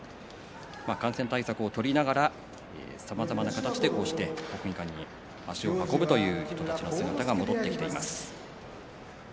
感染対策を取りながら国技館に足を運ぶという人たちの姿が一気に戻ってきています。